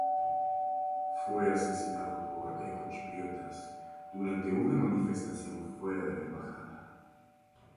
Fue asesinado por grecochipriotas durante una manifestación fuera de la embajada.